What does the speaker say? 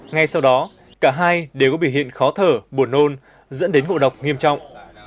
ngay sau đó cả hai đều có biểu hiện khó thở buồn nôn dẫn đến ngộ độc nghiêm trọng